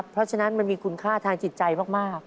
เพราะฉะนั้นมันมีคุณค่าทางจิตใจมาก